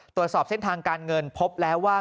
ตรวจสอบเส้นทางการเงินพบแล้วว่า